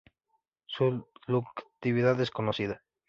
Su ductilidad es desconocida.